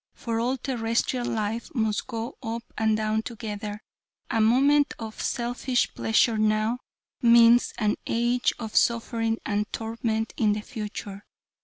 For all terrestrial life must go up or down together; a moment of selfish pleasure now, means an age of suffering and torment in the future.